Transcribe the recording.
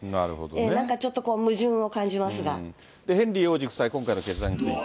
なんかちょっと、ヘンリー王子夫妻、今回の決断について。